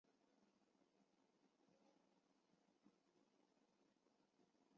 中国人民解放军中将军衔。